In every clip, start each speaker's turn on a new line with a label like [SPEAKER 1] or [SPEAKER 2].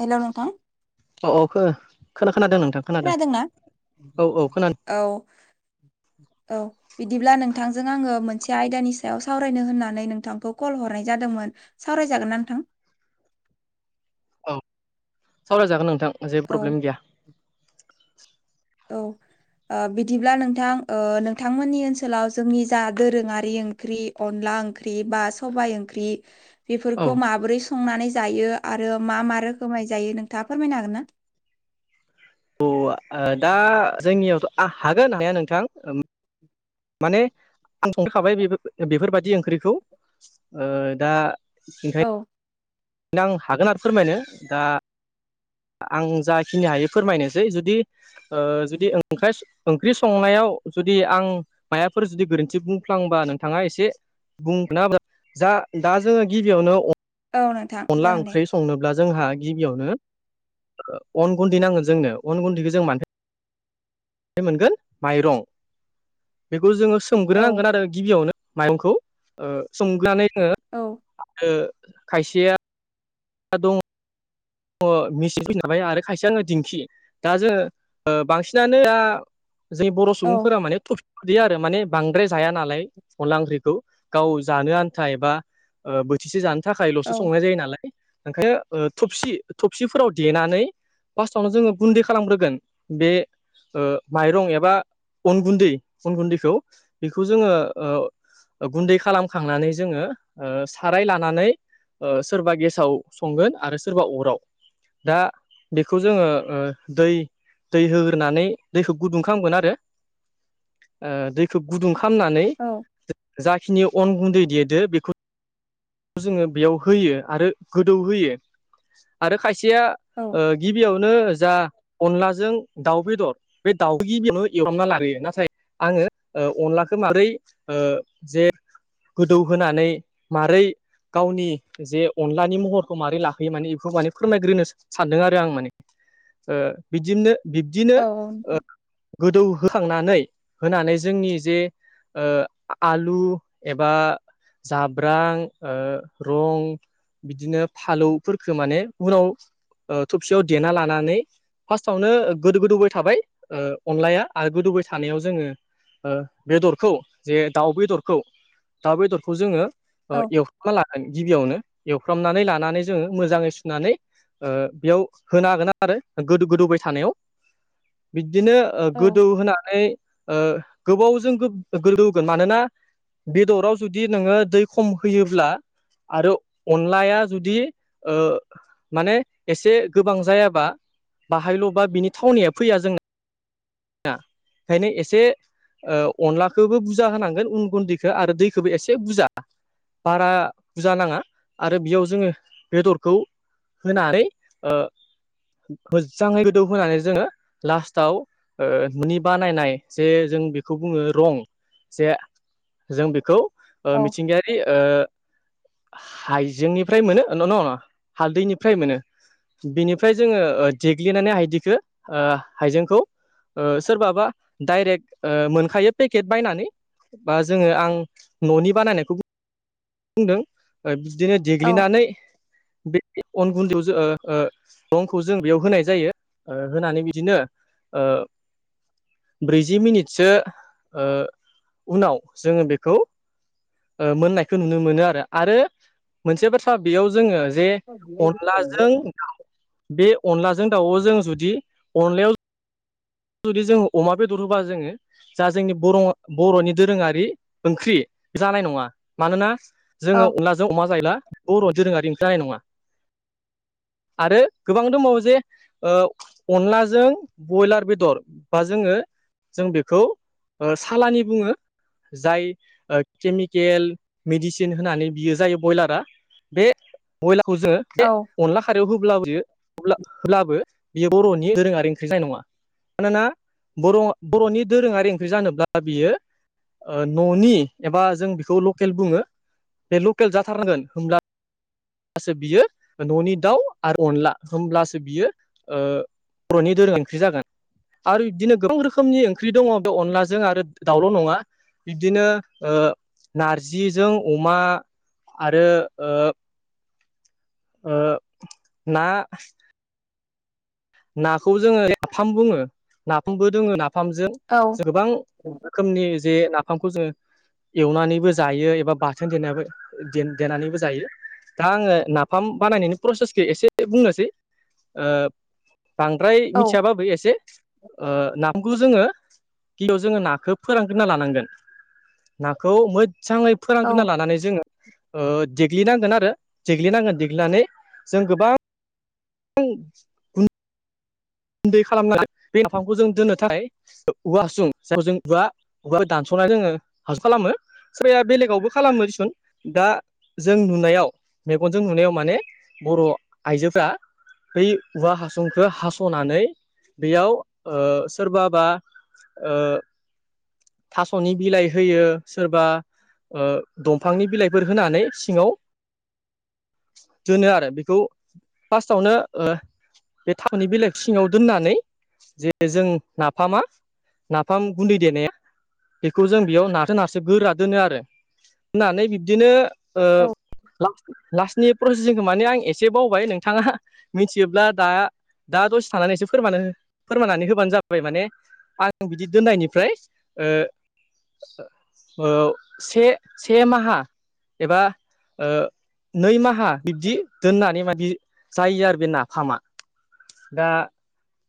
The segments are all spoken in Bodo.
[SPEAKER 1] हेलौ नोंथां?
[SPEAKER 2] औ औ खो-खोनादों नोंथां खोनादों।
[SPEAKER 1] खोनादोंना?
[SPEAKER 2] औ औ खोनादों।
[SPEAKER 1] औ औ। बिदिब्ला नोंथांजों आंङो मोनसे आयदानि सायाव सावरायनो होननानै नोंथांखौ कल हरनाय जादोंमोन। सावरायजागोन ना नोंथां?
[SPEAKER 2] औ सावरायजागोन नोंथां। जेबो
[SPEAKER 1] औ
[SPEAKER 2] प्रब्लेम गैया।
[SPEAKER 1] औ। आ बिदिब्ला नोंथां ओ नोंथांमोननि ओनसोलाव जोंनि जा दोरोङारि ओंख्रि। अनला ओंख्रि बा सबाय ओंख्रि।
[SPEAKER 2] औ
[SPEAKER 1] बेफोरखौ माबोरै संनानै जायो। आरो मा मा रोखोमै जायो नोंथाङा फोरमायनो हागोन ना?
[SPEAKER 2] अ' आ दा जोंनियावथ' आ हागोन हानाया नोंथां। माने आं संखांखाबाय बेफोर-बेफोरबायदि ओंख्रिखौ। ओ दा [unintelligible]
[SPEAKER 1] औ
[SPEAKER 2] नोदां हागोन आरो फोरमायनो दा। आं जाखिनि हायो फोरमायनोसै जुदि ओ जुदि ओं ओंख्रि संनायाव जुदि आं मायाफोर जुदि गोरोन्थि बुंफ्लांबा नोंथाङा एसे [unintelligible] जा दा जोंङो गिबियावनो।
[SPEAKER 1] औ नो
[SPEAKER 2] अनला ओंख्रि स संनोब्ला जोंहा गिबियावनो ओ अन गुन्दै नांगोन जोंनो अन गुदिखौ जों मानि‌ मोनगोन माइरं बेखौ जोंङो
[SPEAKER 1] औ
[SPEAKER 2] सोमग्रोनांगोन आरो। गिबियावनो माइरंखौ ओ सोमनानै जोंङो
[SPEAKER 1] औ
[SPEAKER 2] आरो खायसेया। दं। मिसिन फैखाबाय आरो खायसे जाबार दिंखि दा जोंङो ओ बांसिनानो। जों बर
[SPEAKER 1] औ
[SPEAKER 2] सुबुंफोरा माने देयो आरो माने बांद्राय जाया नालाय अनला ओंख्रिखौ गाव जानो आन्था एबा ओ बोथिसे जानो थाखायल'सो
[SPEAKER 1] औ
[SPEAKER 2] संनाय जायो नालाय ओंखायनो ओ थबसि थबसिफोराव देनानै फार्स्टावनो जोंङो गुन्दै खालामग्रोगोन बे ओ माइरं एबा अन गुन्दै अन गुन्दैखौ बेखौ जोंङो ओ गुन्दै खालामखांनानै जोंङो ओ साराय लानानै। ओ सोरबा गेसाव संगोन आरो सोरबा अराव। दा बेखौ जोंङो ओ दै। दै होग्रोनानै दैखौ गुदुं खालामगोन आरो। ओ दैखौ गुदुं खालामनानै।
[SPEAKER 1] औ।
[SPEAKER 2] जाखिनि अन गुन्दै देदो बेखौ। जोंङो बेयाव होयो आरो गोदौ होयो आरो खायसेया
[SPEAKER 1] औ
[SPEAKER 2] ओ गिबियावनो जा अनलाजों दाउ बेदर बे दाउइ बेनो एवरामना लबोयो नाथाय आंङो अनलाखौ माबोरै ओ जे गोदौहोनानै मारोरै गावनि जे अनलानि महरखौ मारै लाहोयो माने बेखौ माने फोरमायग्रोनो सानदों आरो आं माने ओ बिदिनो बिब्दिनो
[SPEAKER 1] औ नोंथां
[SPEAKER 2] ओ गोदौ होखांनानै होनानै जोंनि जे ओ आलु एबा जाब्रां ओ रं बिदिनो फालौफोरखौ माने उनाव ओ थबसेयाव देना लानानै फार्स्टआवनो गोदो गोदौबाय थाबाय ओ अनलाया आरो गोदौबाय थानायाव जोंङो ओ बेदरखौ जे दाउ बेदरखौ दाउ बेदरखौ जोंङो ओ
[SPEAKER 1] औ
[SPEAKER 2] एव मा लागोन गिबियावनो एवफ्रामनानै लानानै जोंङो मोजाङै सुनानै ओ बेयाव होना होगोन आरो गोद गोदौबाय थानायाव बिदिनो ओ
[SPEAKER 1] औ
[SPEAKER 2] गोदौ होनानै ओ गोबावजों गोदौगोन मानोना बेदराव जुदि नोंङो दै खम होयोब्ला आरो अनलाया जुदि ओ माने एसे गोबां जायाबा बाहायल'बा बिनि थावनिया फैया जों ना ओंखायनो एसे ओ अनलाखौबो बुरजा होनांगोन उन गुन्दैखौ आरो दैखौबो एसे बुरजा बारा बुजा नाङा आरो बेयाव जोंङो बेदरखौ होनानै ओ मोजाङै गोदौ होनानै जोंङो लास्टाआव ओ नि बा नायनाय जे जों बेखौ बुङो रं जे जों बेखौ
[SPEAKER 1] औ
[SPEAKER 2] मिथिंगायारि ओ हाइजेंनिफ्राय मोनो न न हालदैनिफ्राय मोनो। बिनिफ्राय जोंङो देग्लिनानै हायदिखौ हाइजेंखौ ओ सोरबाबा डाइरेक्ट ओ मोनखायो पेकेट बायनानै बा जोङो आं न'नि बानायनायखौ बुं बुंदों बिदिनो
[SPEAKER 1] औ
[SPEAKER 2] देग्लिनानै बे अन गुन्दैआव ओ ओ अनखौ जों बेयाव होनाय जायो ओ होनानै बिदिनो ओ ब्रैजि मिनिटसो ओ उनाव जोंङो बेखौ ओ मोननाय खौ नुनो मोनो आरो आरो मोनसे बाथ्रा बेयाव जोंङो जे अनलाजों बे अनलाजों दाउजों जुदि अनलायाव जुदि जों अमा बेदर होबा जोङो जा जोंनि बर' बर'नि दोरोङारि ओंख्रि जानाय नङा मानोना जोङो अनलाजों अमा जायोला बर' दोरोङारि ओंखार जानाय नङा आरो गोबां दंबावो जे ओ अनलाजों बयलार बे दर बा जोङो जों बेखौ ओ सालानि बुङो जाय केमिकेल मेडिसिन होनानै बियो जायो ब्रयलारा बे बयलारखौ जोङो
[SPEAKER 1] औ
[SPEAKER 2] दे अनला खारायाव होब्लाबोयो अल्बाबो बेयो बर'नि दोरोङारि ओंख्रि जानाय नङा मानोना बर' बर'नि दोरोङारि ओंख्रि जानोब्ला बियो ओ न'नि एबा जों बेखौ लकेल बुङो बे लकेल जाथारनांगोन होमब्ला होनब्लासो बियो न'नि दाउ आरो अनला होमब्लासो बियो ओ बर'नि दोरों ओंख्रि जागोन आरो बिदिनो गोबां रोखोमनि ओंख्रि दङ बे अनलाजों आरो दाउल' नङा बिब्दिनो ओ नारजिजों अमा आरो ओ ओ ना नाखौ जोङो नाफाम बुङो। नाफामबो दोङो नाफामजों
[SPEAKER 1] औ
[SPEAKER 2] गोबां रोखोमनि जे नाफामखौ जोङो एवनानैबो जायो एबा बाथोन देनाय देनानैबो जायो। दा आङो नाफाम बानायनायनि प्रसेसखौ एसे बुंनोसै। ओ बांद्राय
[SPEAKER 1] औ
[SPEAKER 2] मिथियाबाबो एसे ओ नाफामखौ जोङो गियाव जोङो नाखौ फोरानगोनना लानांगोन। नाखौ मोजाङै फोरानग्रोना
[SPEAKER 1] औ
[SPEAKER 2] लानानै जोङो ओ देग्लिनांगोन आरो देग्लिनांगोन देग्लिनानै जों गोबां [unintelligible] उन्दै खालामनानै बे नाफामखौ जों दोननोथाय औवा हासुं जेराव जों जुवा [unintelligible] दानस'नानै जोङो हासो खालामो। सोरबाया बेलेगावबो खालामो दिसुन दा जों नुनायाव मेगनजों नुनायाव माने बर' आइजोफ्रा बै औवा हासंखौ हास स'नानै बेयाव ओ सोरबाबा ओ थास'नि बिलाइ होयो सोरबा ओ दंफांनि बिलाइफोर होनानै सिङाव दोनो आरो बेखौ फार्स्टआवनो ओ बे थावनि बिलाइ सिङाव दोननानै जे जों नाफामा नाफाम गुन्दै देनाया बेखौ जों बेयाव नाराथो नारसो गोरा दोनो आरो होननानै बिब्दिनो ओ
[SPEAKER 1] औ
[SPEAKER 2] लास्ट लास्टनि प्रसेसिंखौ माने आं एसे बावबाय नोंथाङा मिथियोब्ला दा दा दसे थानानै एसे फोरम फोरमनानै होबानो जाबाय माने आं बिदि दोननायनिफ्राय ओ ओ से-से माहा एबा ओ नै माहा बिब्दि दोननानै माबि जायो आरो बे नाफामा। दा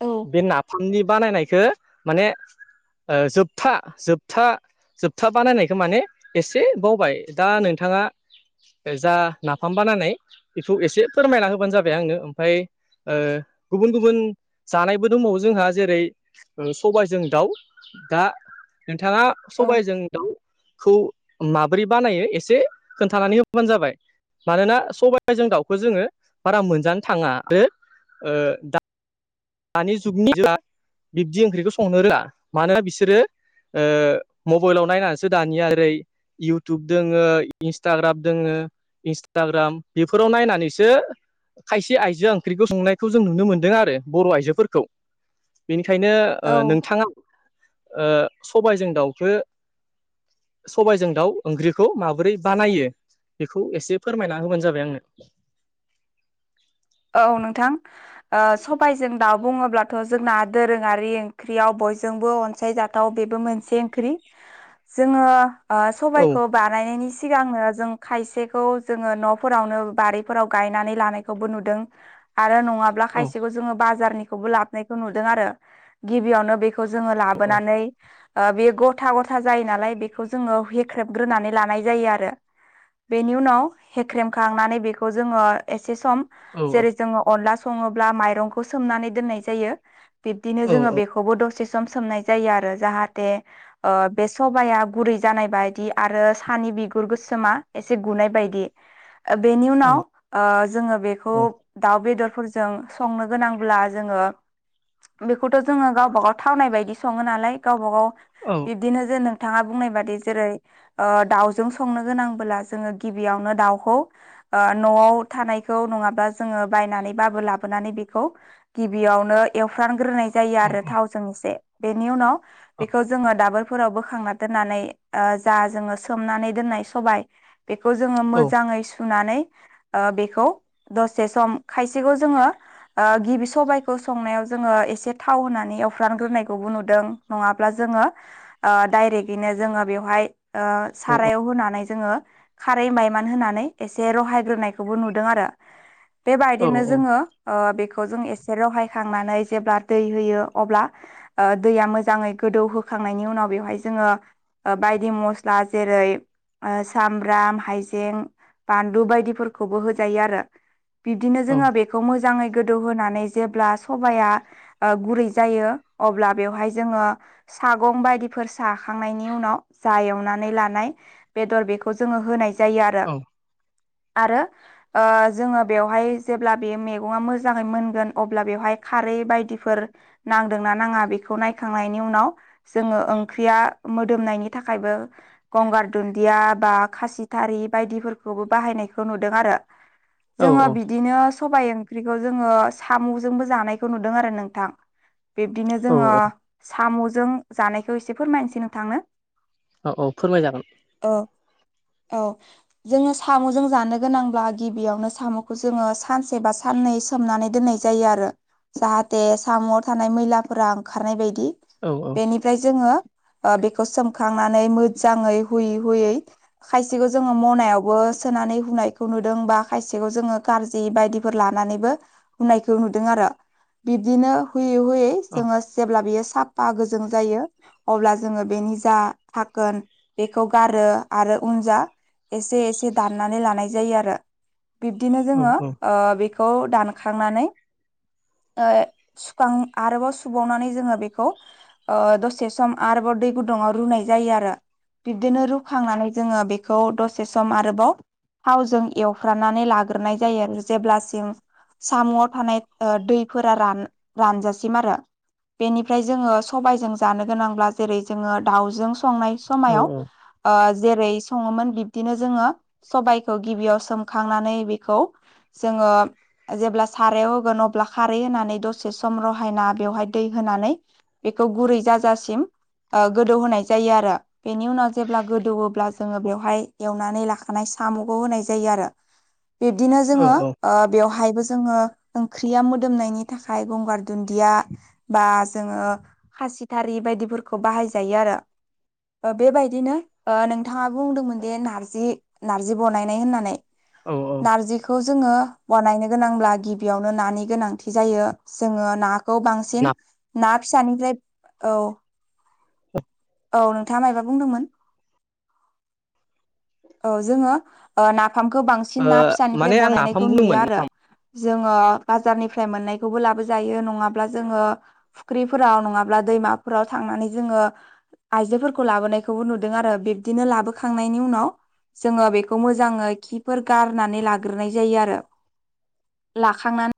[SPEAKER 1] औ
[SPEAKER 2] बे नाफामनि बानायनायखौ माने ओ जोबथा जोबथा जोबथा बानायनायखौ माने एसे बावबाय दा नोंथाङा जा नाफाम बानायनाय बेखौ एसे फोरमायना होबानो जाबाय आंनो। ओमफाय ओ गुबुन गुबुन जानायबो दंबावो जोंहा जेरै सबायजों दाउ दा नोंथाङा सबायजों दाउखौ माब्रै बानायो एसे खोन्थानानै होबबानो जाबाय। मानोना सबायाइजों दाउखौ जोङो बारा मोनजानो थाङा आरो ओ दा दानि जुगनि बिब्दि ओंख्रिखौ संनो रोंया। मानोना बिसोरो ओ मबाइलाव नायनानैसो दानिया ओरै इउटुब दोङो इन्सटाग्राम दोङो इन्सटाग्राम बेफोराव नायनानैसो खायसे आइजोआ ओंख्रिखौ संनायखौ जों नुनो मोनदों आरो। बर' आइजोफोरखौ बेनिखायनो ओ
[SPEAKER 1] औ
[SPEAKER 2] नोंथाङा ओ सबायजों दाउखो सबबायजों दाउ ओंख्रिखौ माबोरै बानायो बेखौ एसे फोरमायना होबानो जाबाय आंनो।
[SPEAKER 1] औ औ नोंथां। ओ सबायजों दाउ बुङोब्लाथ' जोंना दोरोङारि ओंख्रियाव बयजोंबो अनसायजा थाव बेबो मोनसे ओंख्रि जोङो
[SPEAKER 2] औ
[SPEAKER 1] सबायखौ बानायनायनि सिगांनो जों खायसेखौ जोङो न'फोरावनो बारिफोराव गायनानै लानायखौबो नुदों दों आरो नङाब्ला
[SPEAKER 2] औ
[SPEAKER 1] खायसेखौ जोङो बाजारनिखौबो लाबोनायखौ नुदों आरो गिबियावनो बेखौ जोङो
[SPEAKER 2] औ
[SPEAKER 1] लाबोनानै बे गथा गथा जायो नालाय बेखौ जोङो हेख्रेबग्रोनानै लानाय जायो आरो। बेनि उनाव हेख्रेमखांनानै बेखौ जोङो एसे सम
[SPEAKER 2] औ
[SPEAKER 1] जेरै जोङो अनला सङोब्ला माइरंखौ सोमनानै दोननाय जायो बिब्दिनो
[SPEAKER 2] औ
[SPEAKER 1] जोङो बे खौबो दसे सम सोमनाय जायो आरो जाहाथे ओ बे सबाया गुरै जानाय बायदि आरो सानि बिगुर गोसोमा एसे गुनाय बायदि। बेनि
[SPEAKER 2] औ
[SPEAKER 1] उनाव जोङो बेखौ
[SPEAKER 2] औ
[SPEAKER 1] दाउ बेदरफोरजों संनो गोनांब्ला जोङो बेखौथ' जोङो गावबाागाव थावनाय बायदि सङो नालाय गावबा गाव
[SPEAKER 2] औ।
[SPEAKER 1] बिब्दिनो जों नोंथाङा बुंनाय बादि जेरै दाउजों संनो गोनांबोला जोङो गिबियावनो दाउखौ न'आव थानायखौ नङाब्ला जोङो बायनानैबाबो लाबोनानै बेखौ गिबियावनो एवफ्रानग्रोनाय जायो आरो थावजों एसे बेनि उनाव बेखौ जोङो दाबो फोराव बोखांनानै दोननानै जा जोङो सोमनानै दोन्नाय सबाय बेखौ जोङो मोजाङै सुनानै बेखौ से सम खायसेखौ जोङो गिबि सबायाइखौ संनायाव जोङो एसे थाव होनानै एवफ्रामग्रोनायखौबो नुदों। नङाब्ला जोङो डाइरेक्टयैनो जोङो बेवहाय
[SPEAKER 2] औ
[SPEAKER 1] सारायाव होनानै जोङो खारै माइमान होनानै एसे रहायग्रोनायखौबो नुदों आरो बेबायदिनो जोङो बेखौ जों एसे रहाय खांनानै जेब्ला दै होयो अब्ला दैया मोजाङै गोदौहोखांनायनि उनाव बेवहाय जोङो बायदि मस्ला जेरै सामब्राम हाइजें बानलु बायदिफोरखौबो होजायो आरो। बिब्दिनो जोङो बेखौ मोजाङै गोदौहोनानै जेब्ला सबाया गुरै जायो अब्ला बेवहाय जोङो सागं बायदिफोर साखांनायनि उनाव जा एवनानै लानाय बेदर बेखौ जोङो होनाय जायो आरो आरो जोङो बेवहाय जेब्ला बे मैगङा मोजाङै मोनगोन अब्ला बेवहाय खारै बायदिफोर नांदोंना नाङा बेखौ नायखांनायनि उनाव जोङो ओंख्रिया मोदोमनायनि थाखायबो गंगार दुन्दिया बा खासिथारि बायदिफोरखौबो बाहायनायखौ नुदों आरो।
[SPEAKER 2] औ
[SPEAKER 1] जोङो
[SPEAKER 2] औ
[SPEAKER 1] बिदिनो सबायाइ ओंख्रिखौ जोङो साम'जोंबो जानायखौ नुदों आरो नोंथां, बिब्दिनो
[SPEAKER 2] औ
[SPEAKER 1] जोङो साम'जों जानायखौ एसे फोरमायनोसै नोंथांनो,
[SPEAKER 2] औ औ फोरमायजागोन,
[SPEAKER 1] अ औ जोङो साम'जों जानो गोनांब्ला गिबियावनो साम'खौ जोङो सानसे बा साननै सोमनानै दोननाय जायो आरो जाहाथे साम'आव थानाय मैलाफोरा ओंखारनाय बायदि,
[SPEAKER 2] औ औ
[SPEAKER 1] बेनिफ्राय जोङो बेखौ सोमखांनानै मोजाङै हुयै हुयै खायसेखौ जोङो मनायावबो सोनानै हुनायखौ नुदों बा खायसे बेखौ जोङो गारि बायदिफोर लानानैबो होननायखौ नुदों आरो बिब्दिनो हुयै हुयै
[SPEAKER 2] औ
[SPEAKER 1] जोङो जेब्ला बियो साफा गोजों जायो, अब्ला जोङो बेनि जा थाखोन बेखौ गारो आरो उन जा एसे एसे दाननानै लानाय जायो आरो बिब्दिनो
[SPEAKER 2] औ
[SPEAKER 1] जोङो
[SPEAKER 2] औ
[SPEAKER 1] बेखौ दानखांनानै, ओ ए सुखां आरोबाव सुबावनानै जोङो बेखौ, ओ दसे सम आरोबाव दै गुदुङाव रुनाय जायो आरो बिब्दिनो रुखांनानै जोङो बेखौ दसे सम आरोबाव थावजों एवफ्रा नानै लाग्रोनाय जायो आरो जेब्लासिम साम'आव थानाय दैफोरा रान रानजासिम आरो बेनिफ्राय जोङो सबायजों जानो गोनांब्ला जेरै जोङो दाउजों संनाय
[SPEAKER 2] औ
[SPEAKER 1] समाय आव जेरै सङोमोन बिब्दिनो जोङो सबायखौ गिबियाव सोमखांनानै बेखौ जोङो जेब्ला सारायाव होगोन अब्ला खारै होनानै दसे सम रहायना बेवहाय दै होनानै, बेखौ गुरै जाजासिम गोदौ होनाय जायो आरो बेनि उनाव जेब्ला गोदौब्ला जोङो बेवहाय एवनानै लाखानाय साम'खौ होनाय जायो आरो बिब्दिनो
[SPEAKER 2] औ
[SPEAKER 1] जोङो ओ बेवहायबो जोङो ओंख्रिया मोदोमनायनि, थाखाय गंगार दुन्दिया बा जोङो। खासिथारि बायदिफोरखौ बाहायजायो आरो बेबायदिनो ओ नोंथाङा बुंदोंमोन दि नारजि नार्जि बनायनाय होननानै,
[SPEAKER 2] औ औ
[SPEAKER 1] नारजिखौ जोङो बनायनो गोनांब्ला गिबियावनो नानि गोनांथि जायो जोङो ना, खौ बांसिन
[SPEAKER 2] ना
[SPEAKER 1] ना फिसानिफ्राय औ
[SPEAKER 2] [unintelligible]
[SPEAKER 1] औ नोंथाङा मायबा बुंदोंमोन? औ जोङो नाफामखौ बांसिन
[SPEAKER 2] ओ
[SPEAKER 1] ना फिसानिफ्राय
[SPEAKER 2] माने आं नाफाम
[SPEAKER 1] बनायनायखौ नुयो
[SPEAKER 2] बुंदोंमोन
[SPEAKER 1] आरो
[SPEAKER 2] नाफाम
[SPEAKER 1] जोङो बाजारनिफ्राय मोननायखौबो लाबोजायो नङाब्ला जोङो, फुख्रिफोराव नङाब्ला दैमाफोराव थांनानै जोङो, आइजोफोरखौ लाबोनायखौबो नुदों आरो बिब्दिनो लाबोखांनायनि उनाव जोङो बेखौ मोजाङै खिफोर गारनानै लाग्रोनाय जायो। आरो लाखांनानै